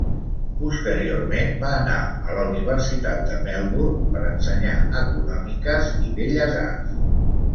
Posteriorment, va anar a la Universitat de Melbourne per ensenyar Econòmiques i Belles Arts.